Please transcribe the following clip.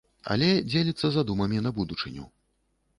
Але дзеліцца задумамі на будучыню.